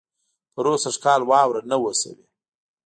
پروسږ کال واؤره نۀ وه شوې